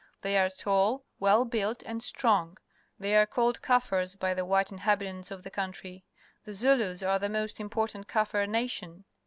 They are tall, well Vjuilt, and strong. They are called KoJSjis^ by the white inhabitants of the country. The Zulus are the most important Kaffir nation.